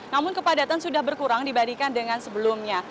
namun kepadatan sudah berkurang dibandingkan dengan sebelumnya